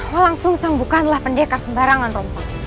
lo langsung sembuhkanlah pendekar sembarangan rompang